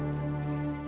kamu mau ke rumah